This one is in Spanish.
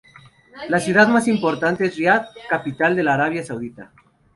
La ciudad más importante es Riad, capital de la Arabia Saudita.